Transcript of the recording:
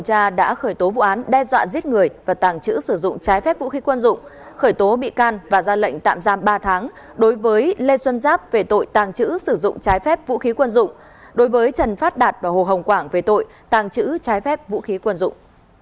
điều tra đã khởi tố vụ án đe dọa giết người và tàng trữ sử dụng trái phép vũ khí quân dụng khởi tố bị can và ra lệnh tạm giam ba tháng đối với lê xuân giáp về tội tàng trữ sử dụng trái phép vũ khí quân dụng đối với trần phát đạt và hồ hồng quảng về tội tàng trữ trái phép vũ khí quân dụng